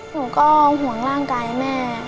หนูก็ห่วงร่างกายแม่